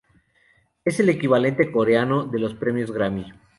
Es el equivalente coreano de los Premios Grammy.